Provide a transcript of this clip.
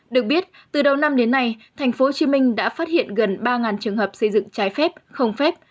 được biết từ đầu năm đến nay tp hcm đã phát hiện gần ba trường hợp xây dựng trái phép không phép